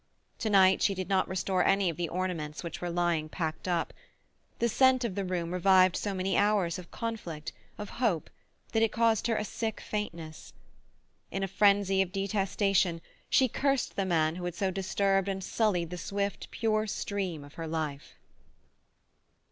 To night she did not restore any of the ornaments which were lying packed up. The scent of the room revived so many hours of conflict, of hope, that it caused her a sick faintness. In frenzy of detestation she cursed the man who had so disturbed and sullied the swift, pure stream of her life.